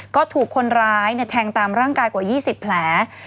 ก็ถูกคนร้ายแทงตามร่างกายกว่า๒๐แผล